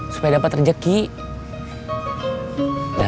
supaya dapat terjaga lagi yaa